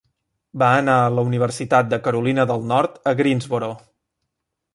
Va anar a la Universitat de Carolina del Nord, a Greensboro.